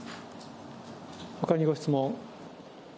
ほかにご質問。